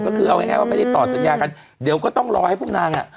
ก็คือเอาง่ายว่าไม่ได้ต่อสัญญากันเดี๋ยวก็ต้องรอให้พวกนางอ่ะ